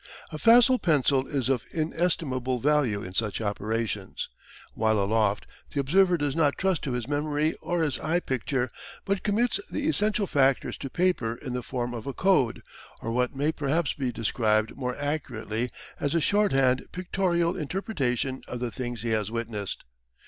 A facile pencil is of inestimable value in such operations. While aloft the observer does not trust to his memory or his eye picture, but commits the essential factors to paper in the form of a code, or what may perhaps be described more accurately as a shorthand pictorial interpretation of the things he has witnessed.